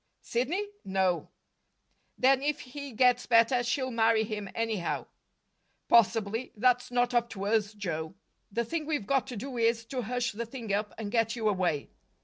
"Sidney? No." "Then, if he gets better, she'll marry him anyhow." "Possibly. That's not up to us, Joe. The thing we've got to do is to hush the thing up, and get you away."